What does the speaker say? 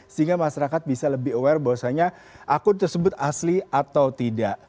sehingga masyarakat bisa lebih aware bahwasanya akun tersebut asli atau tidak